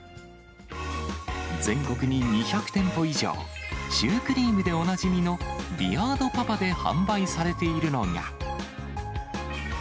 全国に２００店舗以上、シュークリームでおなじみのビアードパパで販売されているのが。